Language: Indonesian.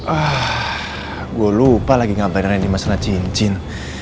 ah gue lupa lagi ngapain ren di masalah cincin